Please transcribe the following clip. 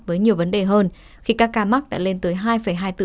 với nhiều vấn đề hơn khi các ca mắc đã lên tới hai hai